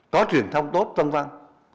có truyền thông tốt vân vân